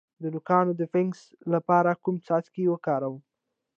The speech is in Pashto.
د نوکانو د فنګس لپاره کوم څاڅکي وکاروم؟